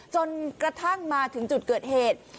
จนกระทั่งมาถึงจุดเกิดเหตุ